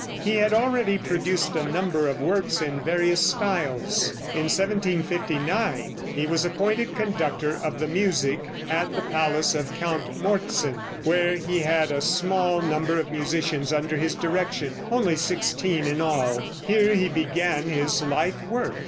He had already produced a number of works in various styles. In 1759 he was appointed conductor of the music at the palace of Count Morzin, where he had a small number of musicians under his direction, only sixteen in all. Here he began his life work.